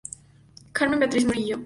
Carmen Beatriz Murillo.